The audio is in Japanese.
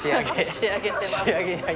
仕上げてます。